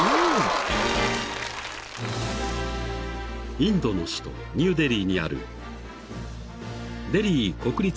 ［インドの首都ニューデリーにある］